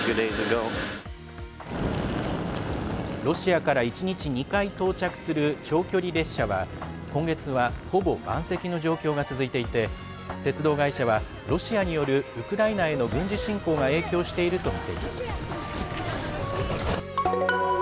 ロシアから１日２回到着する長距離列車は今月は、ほぼ満席の状況が続いていて鉄道会社はロシアによるウクライナへの軍事侵攻が影響しているとみています。